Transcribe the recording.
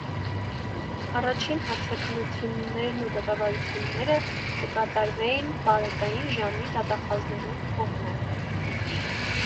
Առաջին հարցաքննութիւններն ու դատավարութիւնները կը կատարուէին պարէտային ժամի դատախազներուն կողմէ։